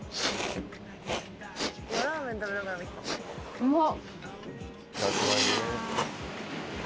うまっ！